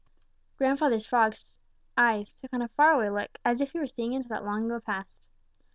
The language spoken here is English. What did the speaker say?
Grandfather Frog's eyes took on a far away look, as if he were seeing into that long ago past.